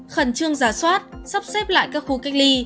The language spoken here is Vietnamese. khẩn trương giả soát sắp xếp lại các khu cách ly